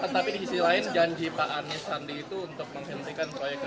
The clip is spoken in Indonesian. tapi diisi lain janji pak anies sandiaga uno